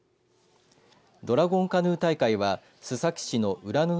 ドラゴンカヌー大会は須崎市の浦ノ